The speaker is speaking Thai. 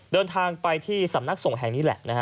เดินทางไปที่สำนักส่งแห่งนี้แหละนะฮะ